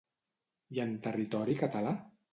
I en territori català?